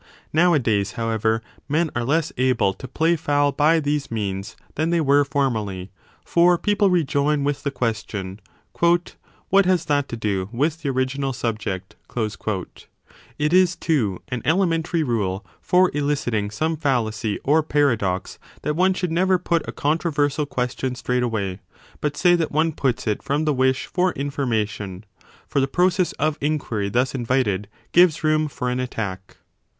Nowadays, however, men are less able 3 to play foul by ao these means than they were formerly : for people rejoin with the question, What has that to do with the original subject ? It is, too, an elementary rule for eliciting some I72 b I. Read i65 b ig. 3 i72 b ig. Read P 2 i72 b DE SOPHISTICIS ELENCHIS fallacy or paradox that one should never put a contro versial question straightaway, but say that one puts it from the wish for information : for the process of inquiry thus invited gives room for an attack.